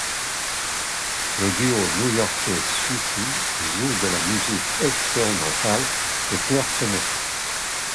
Le duo new-yorkais Suicide joue de la musique expérimentale et clairsemée.